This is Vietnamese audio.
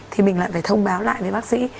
thì mình lại phải thông báo lại với bác sĩ